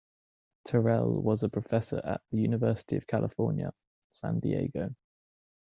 Terrell was a professor at the University of California, San Diego.